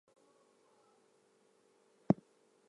Postal Service would later shorten the name to Hampton.